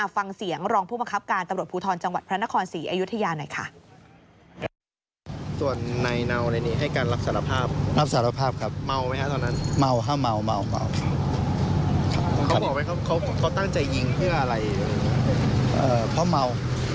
ฟังเสียงรองผู้บังคับการตำรวจภูทรจังหวัดพระนครศรีอยุธยาหน่อยค่ะ